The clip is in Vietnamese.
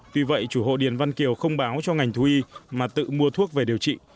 tuy vậy chủ hộ điền văn kiều không báo cho ngành thú y mà tự mua thuốc về điều trị